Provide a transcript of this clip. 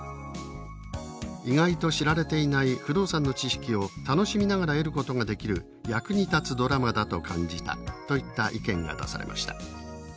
「意外と知られていない不動産の知識を楽しみながら得ることができる役に立つドラマだと感じた」といった意見が出されました。